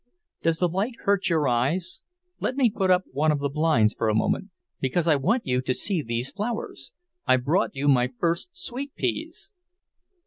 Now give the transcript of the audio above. "Does the light hurt your eyes? Let me put up one of the blinds for a moment, because I want you to see these flowers. I've brought you my first sweet peas."